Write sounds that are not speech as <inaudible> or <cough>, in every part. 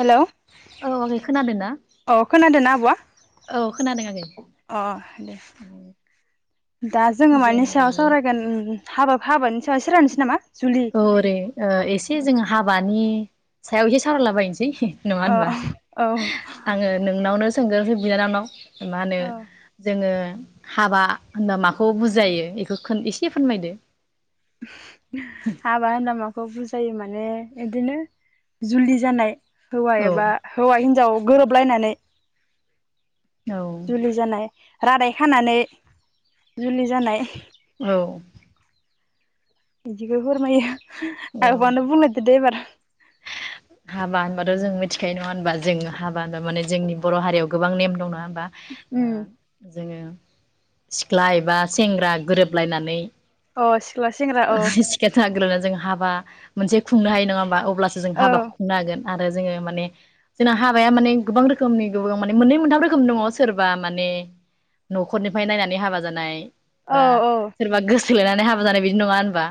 Hello औ आगै खोनादों ना अ खोनादोंना आब'आ औ खोनादों आगै अ दे दा जोङो जों मानि सायाव दायो सावरायगोन। हाबा हाबानि सावरायनोसै नामा। जुलि औ रे एसे जों हाबानि सायावहाय सारालाबायायनोसै। नङा अ होनबा औ आङो नोंनावनो सोंग्रोनोसै बिनाननाव। मा होनो औ जोङो हाबा होनबा माखौ बुजायो बेखौ एसे फोरमायदो। <inaudible> हाबा होनबा माखौ बुज जायो माने इदिनो जुलि जानाय। हौवा औ एबा हौवा हिनजाव गोरोबलायनानै औ जुलि जानाय। रादाय खानानै जुलि जानाय। औ बिदिखौ फोरमायो। औ आब'यानो बुंलायदो दे एबार। हाबा होनबाथ' जों मिथिखायो नङा होनबा जों हाबा होनबा माने जोंनि बर' हारियाव गोबां नेम दं नङा होनबा? ओ उम जोङो सिख्ला एबा सेंग्रा गोरोबलायनानै अ सिख्ला सेंग्रा <unintelligible> औ हाबा मोनसे खुंनो हायो नंङा होमबा अब अब्लासो जों औ हाबाखौ हागोन आरो जोङो माने जोंना हाबाया माने गोबां रोखोमनि गो माने मोननै मोनथाम रोखोम दङ सोरबा माने न'खरनिफ्राय नायनानै हाबा जानाय औ बा औ सोरबा गोस थोलायनानै हाबा जानाय बिदि नङा ओनबा?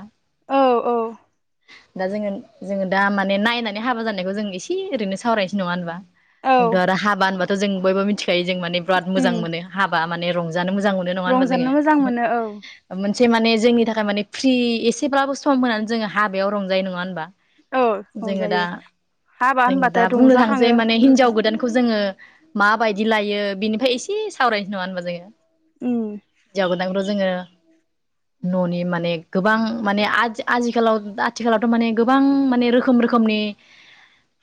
औ औ दा जोङो जोङो दा माने नायनान नै हाबा जानायखौ जों इसे ओरैनो सावरायसै नङा ओनबा? औ एकद आरो हाबाहोनबाथ जों बायबो मिथि खायो जों माने बिराद उम मोजां मोनो हाबा माने रंज जानो मोजां मोनो नङा ओनबा जोङो रंजानो मोजां मोनो औ मोन से माने जोंनि थाखाय माने फ्रि इसेब्लाबो सम होनानै जोङो हाबायाव रंजायो नङा ओनबा? औ रंजायो। दा हाबा जों होनबाथाय दा बुंनो थांसै रंजाखाङो माने उम हिनजाव गोदानखौ जोङो माबायदि लायो बिनिफाय इसे सावरायनोसै नङा ओनबा जोङो उम हिन्जाव गोदान <unintelligible> जोङो न'नि माने गोबां माने आजि आजिखालाव आथिखालावथ' माने गोबां माने रोखोम रोखोम खोमनि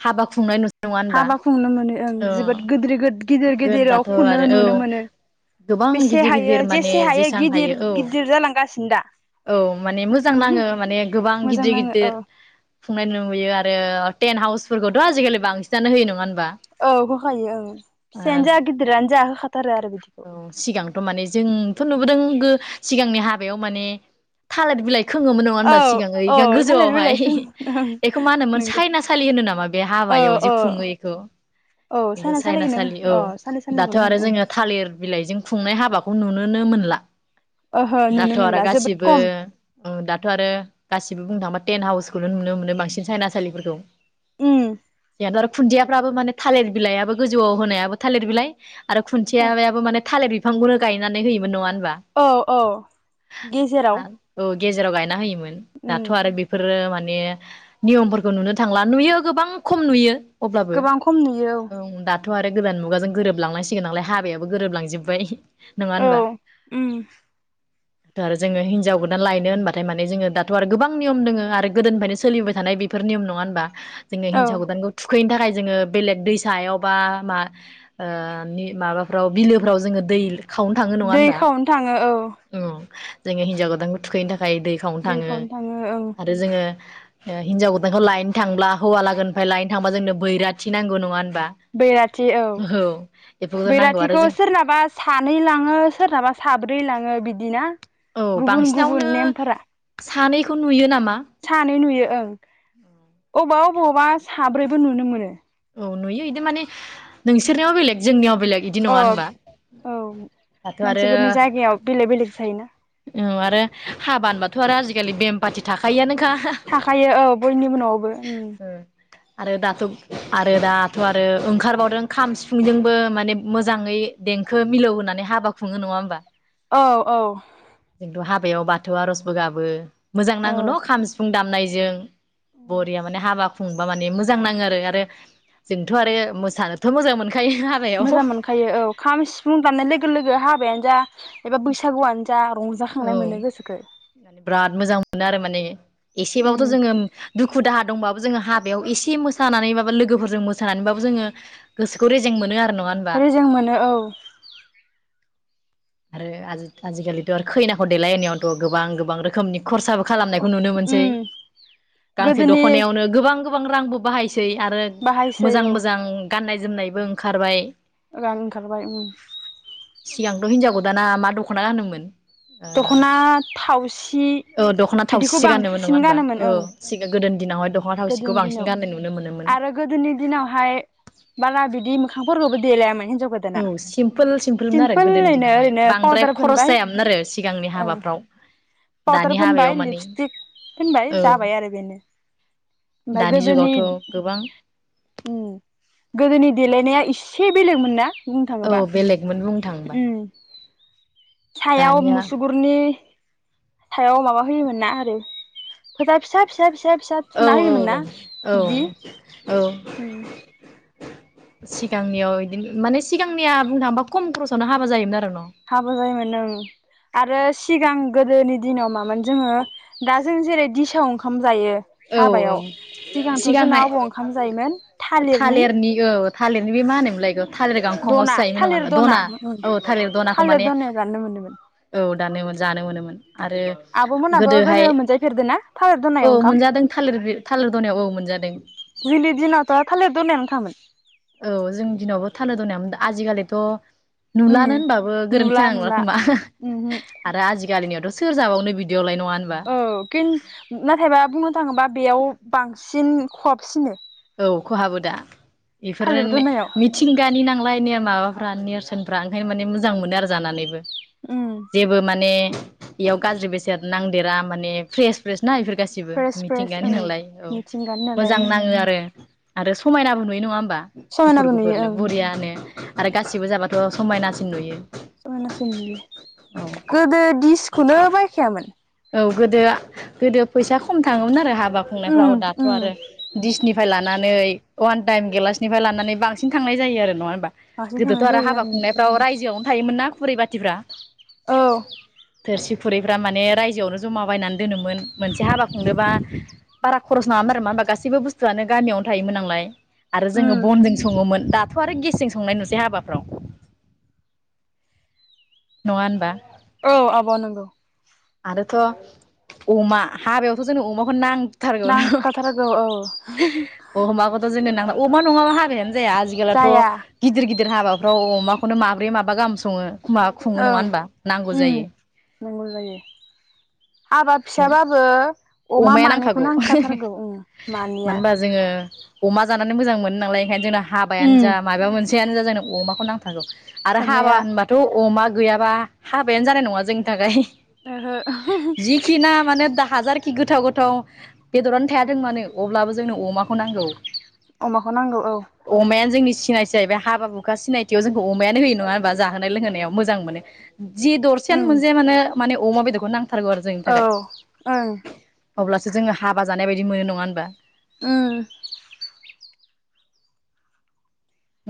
हाबा खुंनाय नुज हाबा खुंनो मोनो ओं जोबोद गोद्रिद गोद गिदिर गिदिराव दाथ' खुनो आरो औ नुनो मोनो गोबां बेसे गिदिर हायो गिदिर माने जेसे हायो जेसां गिदिर औ गिदिर जालांगासिनो दा औ माने मोजां नाङो माने गोबां मोजां गिदिर नाङो गिदिर औ खुंनाय नुयो आरो टेन्ट हाउसफोरखौथ' आजिखालि बांसिनानो होयो नङा औ होखायो ओं फिसायानो जा गिदिरानो जा होखा यो आरो बिदिखौ औ सिगांथ' माने जोंथ' नुबोदों गो सिगांनि हाबायाव माने थालिर बिलाइ सोङोमोन नङा होनबा औ सिगां औ ओ थालिर गोजौआवहाय। बिलाइखौ ओं बेखौ मा होनोमोन? नंगौ सायनासालि होनो नामा बे औ हाबायाव जि औ खुङो इखौ। औ इखौ साना सालिखौनो सायनासालि औ अ सानै दाथ' साननैखौनो आरो होनो ओं जोङो थालिर बिलाइजों खुंनाय हाबाखौ नुनोनो मोनला। ओहो नुनो दाथ' आरो मोनला जोबोद गासिबो खम उम दाथ' आरो गासिबो बुंनो थांबा टेनट हाउसखौनो नुनो मोनो बांसिन सायनासालिफोरखौ। उम। आरो खुन्दियाफ्राबो माने थालिर बिलाइयाबो गोजौआव होनायाबो थालिर बिलाइ। आरो खुन्थियाया माने थालिर बिफांफोर गायनानै होयोमोन नङा होन औ औ गेजेराव औ गेजेराव गायना होयो मोन उम दाथ' आरो बेफोरो मान ने नियमफोरखौ नुनो थांला नुयो गोबां खम नुयो। गोबां खम नुयो औ। थ' आरो गोदान मुगाजों गोरोबलांनांसिगोन नालाय। हाबायाव गोरोब लांजोबबाय। नङा औ होनबा? उम दाथ' आरो जोङो हिनजाव गोदान लायनो होनबाथाय माने जोङो दाथ' आरो गोबां नियम दोङो आरो गोदोनिफ्रायनो सोलिबाय थानाय बेफोर नियम। नङा होनबा? जोङो औ हिनजाव गोदानखौ थुख थुखैनो थाखाय जोङो बेलेग दैसायाव बा मा ओ मि माबा फ्राव बिलोफ्राव जोङो दै खावनो थाङो। नङा दै होनबा? खावनो थाङो औ उम। जोङो हिनजाव गोदानखौ थुखैनो था खाय दै खावनो थाङो आरो जोङो ओ हिनजाव गोदानखौ लायनो थांब्ला हौवा लागोनिफ्राय लायनो थांबा जोंनो बैराथि नांगौ नङा होन ब्ला औ बेफोरखौ नां थिखौ सोरनाबा सानै लाङो सोरनाबा साब्रै लाङो बि दिना औ गुबुन बांसिनावनो गुबुन नेमफोरा। सानैखौ नुयो नाम सानै नुयो। ओं अबावबा अबावबा साब्रैबो नुनो मोनो। औ नुयो इदि माने नोंसोरनियाव बेलेग जोंनियाव बेलेग बिदि नङा अह होनबा औ दाथ' आरो मानसिफोरनि जायगायाव बेलेग बेलेग जायोना। औ आरो हाबा होनबाथ' आरो आजिखालि बेम पाथि थाखायोआनो थाखायो औ बयनिबो न'आवबो उम। ओ आरो दाथ' आरो दाथ' आरो ओंखारबावदों खाम, सिफुंजोंबो माने मोजाङै देंखो मिलौ होनानै हाबा खुङो नङा होमबा? औ औ। जोंथ' हाबायाव बाथौ आरजबो गाबो। मोजां औ नाङो न' खाम सिफुं दामनाय जों बरिया माने हाबा खुंबा माने मोजां नाङो आरो जोंथ' आरो मोसानोथ' मोजां मोनखा मोजां मोनखायो औ खाम, सिफुं दामनाय लोगो लोगो हाबायानो जा एबा बैसागु आनो जा रं औ माने बिराद मोजां मोनो आरो माने उम एसेबाबोथ' जोङो दुखु दाहा दंबाबो जोङो हाबायाव एसे मोसानानै बाबो लोगोफोरजों मोसानानैबाबो जोङो गोसोखौ रेजें मोनो आरो न' रेजें मोनो औ। आरो आजि आजिखालिथ' आरो खैनाखौ देलायहोनायावथ' गोबां गोबां रोखोमनि खरसाबो खालामनायखौ नुनो मोनसै उम गांसे गोदोनि दख'नायावनो गोबां गो बां रांबो बाहाय सै आरो बाहायसै मोजां औ मोजां गाननाय जोमनायबो ओंखारबाय रां ओंखारबाय उम। सिगांथ' हिनजाव गोदाना मा दख'ना गानोमोन? ओ दख'ना थावसि औ दख'ना बिदिखौ थावसिसो गानोमोन नङा बांसिन होनबा गानोमोन औ ओं। सिगां गोदोनि दिनावहाय दख'ना थावसिखौ गोदोनि बांसिन दिनाव गाननाय नुनो मोनोमोन आरो गोदोनि दिनावहाय बाला बिदि मोखांफोरखौबो देलायामोन हिन औ सिमपोल सिमपोलमोन आरो गोदोनि दिनावहाय ओरैनो बांद्राय पाउदार खरस फोनबाय जायामोन आरो सिगांनि ओं हाबाफ्राव पाउदार दानि फोनबाय हाबायाव माने लिपस्टिक औ। ओमफाय दानि गोदोनि जुगावथ' गोबां उम गोदोनि नि देलायनाया इसे बेलेगमोन ना? बुंनो औ थाङोबा बेलेगमोन बुं नो थाङोबा। उम सायाव दानिया मुसुगुरनि सायाव माबा होयोमोन ना आरै फोथा फिसा फिसा फिसा औ औ थुना होयोमोन ना औ औ बिदि औ। उम सिगांनियाव इदिनो माने सिगांनिया बुंनो थाङोबा खम ख'रसावनो हाबा जायोमोन आरो न'। हाबो जायोमोन ओं आरो सि सिगां गोदोनि दिनाव मामोन जोङो दा जों जेरै दिसआव ओंखाम जायो हाबायाव न' सिगांथ' जोंना सिगांहाय ओबाव ओंखाम जायोमोन थालिरनि थालिरनि बे मा होनोमलाय इखो द'ना थालिर द'ना उम थालिर द'नायाव जानो मोनदोमोन। जानो जानो मोनोमोन। आरो आब'मोनाबो गोदोहाय गोदो मोनजायफेरदों ना थालिर औ दनायाव ओंखाम मोनजादों थालिर थालिर द'नायाव औ मोनजादों। जोंनि दिनावथ' थालिर दनायावनो खामोन औ जोंनि दिनावबो थालिर द'ना जिखालिथ' उम नुलानो होनबाबो गोरोन्थि नुला जानाय नंला नुला खोमा उमहो आरो आजिखालिनियावथ' सोर जाबावनो बिदियावलाय नङा होनबा? <unintelligible> नाथायबा बुंनो थाङोबा बेयाव बांसिन खहाबसिनो। औ खहाबो दा। थालिर इफोरोनो दनायाव मिथिंगानि नांलाय <unintelligible> फ्रा नेरसोनफ्रा ओंखायनो माने मोजां मोनो आरो जानानैबो। उम जेबो माने बेयाव गाज्रि बेसाद नांदेरा माने फ्रेस फ्रेस ना इफोर गासिबो फ्रेस फ्रेस मिथिंगानि ओं नालाय औ मिथिंगानि नालाय मोजां उम नाङो आरो। आरो समायनाबो नुयो नङा होमबा गुफुर समायनाबो नुयो गुफुरनो ओं बरियानो। आरो गासिबो जाबाथ' समायनासिन नुयो। समायनासिन नुयो औ गोदो दिसखौनो बायखायामोन। औ गोदो गोदो फैसा खम थाङोमोन आरो हाब बा खुंनाय उम फोराव दाथ' उम आरो दिसनि फ्राय लानानै अवान टाइम गेलासनिफ्राय लानानै बांसिन थांनाय जायो आरो नङा होन बांसिन थांनाय गोदोथ' आरो जायो आं हाबा खुंनायफ्राव रायजोआवनो थायोमोन ना खुरै बाथिफ्रा? औ थोरसि खुरैफ्रा माने राय <unintelligible> जमा बायनानै दोनोमोन मोनसे हाबा खुंदोबा बारा खरस नाङामोन आरो मा होनबा गासैबो बुस्थुआनो गामियावनो थायोमोन नालाय। आरो उम जोङो बनजों संङोमोन दा थ' आरो गेसजों संनाय नुसै हाबाफ्राव। नङा होनबा? औ आब' नंगौ आरोथ' अमा हाबायावथ' जोंनो अमाखौ नां नांखाथारगौ औ। अ <unintelligible> अमा नङाबा हाबायानो जाया जाया आजिगालावथ' गिदिर गिद दिर हाबाफ्राव अमाखौनो माब्रै माबा गाहाम सङो। खु मा खुङो नङा होनबा नांगौ जायो। नंगौ जायो। हाबा फिसाबाबो अमा अमाया मानैखौ नांखागौ नांखाथारगौ औ मानो मानैया होनबा जोङो अमा जानानै मोजां मोनो नालय ओंखायनो जोंना हाबायानो उम जा माबा मोन सेयानो जा जोंनो अमाखौ नांथारगौ। आरो हाबा अमाया होनबाथ' अमा गैयाबा हाबायानो जानाय नङा जोंनि थाखाय। ओहो। खि ना माने दा हाजारखि गोथाव गोथाव बेदरानो थायाथों मानो अब्लाबो जोंनो अमाखौ नांगौ। अमाखौ नांगौ औ। अमायानो <unintelligible> हाबा हुखा सिनायथियाव जोंखौ अमायानो होयो नङा होनबा जाहोन लोंहोनायाव मोजां मोनो। जि दरसेयानो उम मोनजाया मानो माने अमा बेदरखौ नांथारगौ आरो औ थाखाय ओं अब्लासो जोङो हाबा जानाय बायदि मोनो नङा होनबा? उम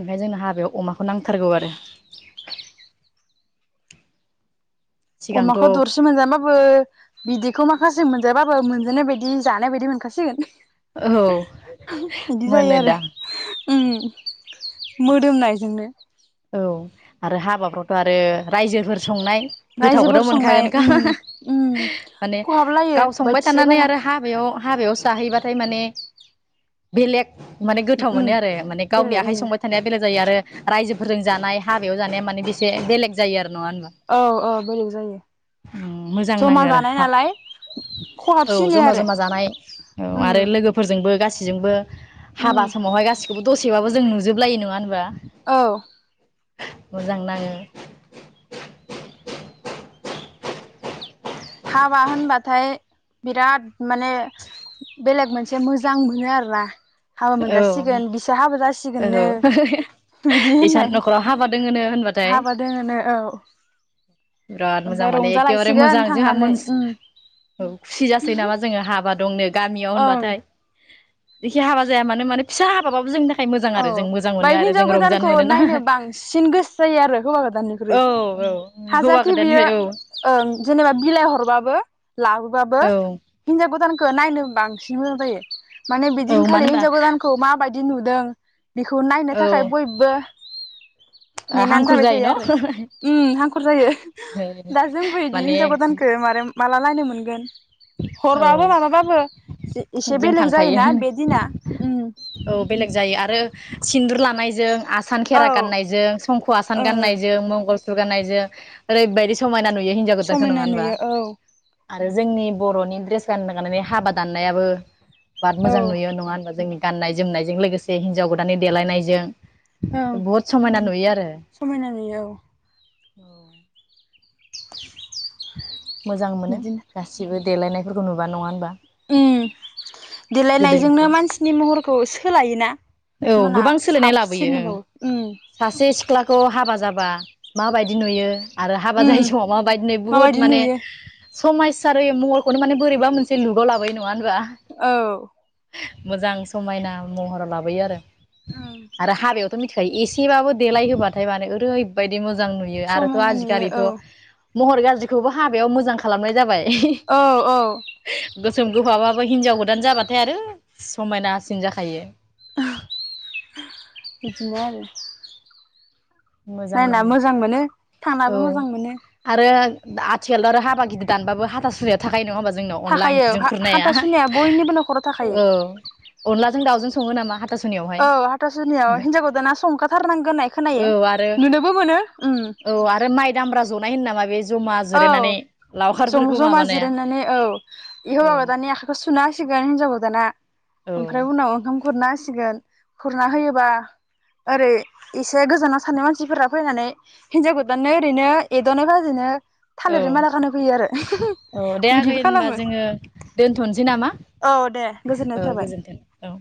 ओमफाय जोंनो हाबायाव अमाखौ नांथारगौ आरो। सिगांथ' अमाखौ दरसे मोनजाबाबो बिदैखौ माखासे मोन जाबाबो मोनजानाय बायदि जानाय बायदि मोनखासिगोन। औ बिदि जायो आरो मोनोदा। उम मोदोमनायजोंनो। औ आरो हाबाफ्रावथ' आरो रायजोफोर संनाय रायजोफोर गोथावखौथ' संनाय मोनखागोनखा उम उम माने खहाबलायो गाव संबाय बोथिसे थानानै बारा आरो हाबायाव हाबायाव साहैबाथाय माने बेलेग माने गोथाव उम मोनो आरो माने गावनि बेलेग आखाइ उम संबाय थानाया बेलेग जायो आरो रायजो फोरजों जानाय हाबायाव जानाया माने बेसे बेलेग जायो आरो। नंङा ओनबा? औ औ बेलेग जायो उम्म मोजां जमा नाङो आरो जानाय हा नालाय औ खहाबसिनो जमा आरो जमा जानाय औ उम आरो लोगोफोरजोंबो गासिबो बिजोंबो उम हाबा समावहाय गासिखौबो दसेबाबो जों नुजोबलायो नङा होनबा? औ मोजां नाङो। हाबा होनबाथाय बिराद माने बेलेग मोनसे मोजां मोनो आरोना। हाबा औ मोनजासिगोन बिस हाबा जासिगोननो औ बिदि होननाय इसान न'खराव हाबा दोङोनो होनबाथाय हाबा दोङनो औ बिराद मोजां ओमफ्राय माने एखेबारे रंजालायसिगोन। मोजां जोंहा थांनानै मोन उम खुसि जासै नामा जोङो हाबा दं। गामियाव ओं होनबाथाय इखि हाबा जाया मानो मानो फिसा हाबो जों औ मोजां मोनो बाय आरो हिनजाव जों रंजानो गोदानखौ मोनोना नायनो बांसिन गोसो जायो आरो हौवा गोदाननिख्रुइ औ हौवा हाजारखि बियो गोदाननिफ्राय औ ओं जेनेबा बिलाइ हरबाबो लाबोबाबो औ हिनजाव गोदानखौ नायनो बांसिन मोजां जायो। माने औ बिदिनखालि मानो होनबा हिनजाव गोदानखौ माबायदि बिदि नुदों बेखौ नायनो थाखाय औ बयबो नेनानै थाबाय जायो आरो उम हांखुर जायो न दा जोंबो बिदि माने हिनजाव गोदानखो मारो माला लायनो मोन गोन औ हरबाबो माबाबाबो एसे जों बेलेग थांखायो जायोना बे दिना औ बेलेग जायो आरो सिन्दुर लानायजों आसान औ खेरा गाननायजों संख' आसान ओं गाननायजों मंगलसुर गाननायजों यो ओरैबायदि समायना नु समायना नुयो औ। आरो जोंनि बर'नि ड्रेस गाननो गनानै हाबा दाननायाबो बा औ मोजां नुयो नङा होनबा जोंनि गाननाय जोमनायजों लोगोसे हिन्जाव गोदाननि देलायनायजों ओं बहुद समायना नुयो आरो। समायना नुयो औ औ मोजां मोनो बिदिनो गासिबो। देलायनायफोरखौ नुबा नङा होनबा उम देलायनायजोंनो गोदोनिफ्राय मानसिनि महरखौ सोलायोना औ माना गोबां सोलायनाय लाबोयो ओं साबसिनबावो उम सासे सिख्लाखौ हाबा जाबा बा माबायदि नुयो आरो हाबा उम जायै समाव माबायदिनोै बुहुत माबायदि माने नुयो समायसारि महरखौनो माने बोरैबा मोनसे लुगाव लाबोयो नङा होनबा औ मोजां समायना महर ला बोयो आरो उम आरो हाबयावथ' मि ओमफ्राय एसेबाबो देलाय होबाथाय मानो ओरैबायाददि मोजां मोजां नुयो आरोथ' समायना नुयो आजिखालिथ औ महर गाज्रिखौबो हाबायाव मोजां खालामनाय जाबाय। औ औ <unintelligible> गोसोम गोफाबा बो हिनजाव गोदान जाबाथाय आरो समायनासिन जाखायो। बिदिनो आरो। मोजां नायना नाङो मोजां मोनो थांनाबो मोजां मोनो। आथिखालथ' आरो हाबा गिदिर दानबाबो हाथा सुनियाबो थाखायो नङा होमबा? जोंनाव अनला थाखायो ओंख्रिजो खुरनाया हा-हाथासुनिया बयनिबो न'खराव थाखायो औ अनलाजों दावजों सङो नामा हा औ हाथासुनियाव हिनजाव गोदाना संखाथारनांगोन होननाय खोना औ आरो औ आरो माइ दामब्रा जहहहाय नामा बे जमा औ जिरायनानै जम लावखारफोरखौ ज'मा माबानाया जिरायनानै औ औ हौवा गोदाननि आखाइखौ सुना होसिगोन हिनजाव गोदाना। औ ओमफ्राय उनाव ओंखाम हुरना होसि सिगोन खुरना होयोबा ओरै एसे गोजानाव सारनाय मानसिफोरा फैनानै हिनजाव गोदाननो ओरैनो एद'नो बाजिनो औ थालिरनि माला खाना फैयो आरो औ दे आगै बिदिबो होनबा खालामो जोङो दोनथ'नोसै नामा? औ दे गोजोननाय ओ थाबाय। गोजोन्थों औ।